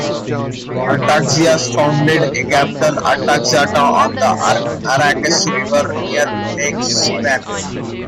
Artaxias founded a capital, Artaxata on the Araks River near Lake Sevan.